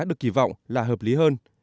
được kỳ vọng là hợp lý hơn